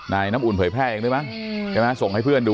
นายน้ำอุ่นเผยแพร่ยังด้วยมั้ยอืมใช่มั้ยส่งให้เพื่อนดูอ่ะ